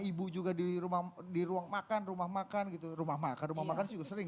ibu juga di ruang makan rumah makan gitu rumah makan rumah makan juga sering